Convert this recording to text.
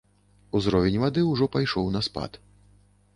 Узровень вады ўжо пайшоў на спад.